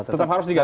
tetap harus diganti